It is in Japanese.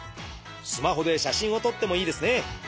スマホで写真を撮ってもいいですね。